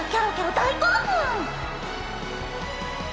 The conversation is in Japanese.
大興奮！